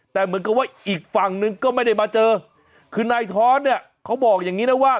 แต่เหมือนกับว่าอีกฝั่งนึงก็ไม่ได้มาเจอคือนายท้อนเนี่ยเขาบอกอย่างงี้นะว่า